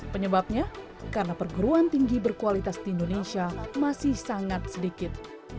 penyebabnya karena perguruan tinggi berkualitas di indonesia masih sangat sedikit